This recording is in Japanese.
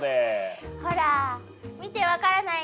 ほら見てわからない？